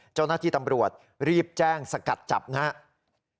เจ้าหน้าที่ตำรวจรีบแจ้งสกัดจับนะครับ